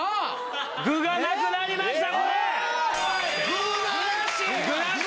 具がなくなりました！